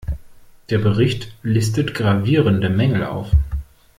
Der Bericht listet gravierende Mängel auf.